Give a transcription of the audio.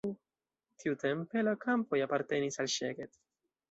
Tiutempe la kampoj apartenis al Szeged.